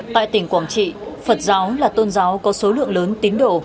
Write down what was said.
tại tỉnh quảng trị phật giáo là tôn giáo có số lượng lớn tính đổ